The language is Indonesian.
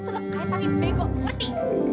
lo tuh kaya tapi bego merti